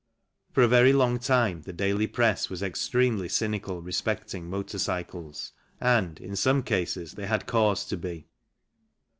For a very long time the daily press was extremely cynical respecting motor cycles and, in some cases, they had cause to be.